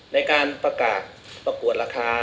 ในการประกาศประกวดราคา